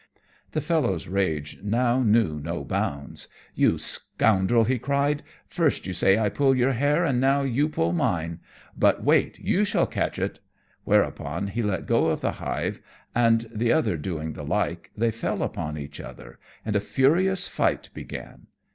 The fellow's rage now knew no bounds. "You scoundrel," he cried, "first you say I pull your hair and now you pull mine; but wait, you shall catch it." Whereupon he let go of the hive, and the other doing the like, they fell upon each other, and a furious fight began.